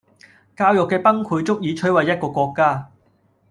教育既崩潰足以摧毀一個國家